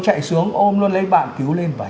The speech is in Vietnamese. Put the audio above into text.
chạy xuống ôm luôn lấy bạn cứu lên và